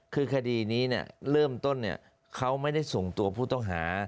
คือคดีนี้เริ่มต้นเขาไม่ได้ส่งตัวผู้ต้องหา